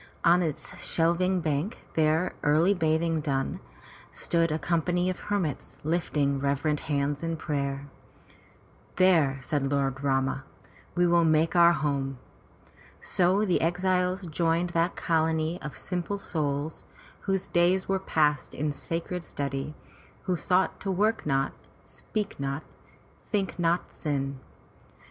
On its shelving bank, their early bathing done, stood a company of hermits lifting reverent hands in prayer. "There,'' said Lord Rama, "will we make our home.*' So the exiles joined that colony of simple souls, whose days were passed in sacred study, who sought to work not, speak not, think not sin.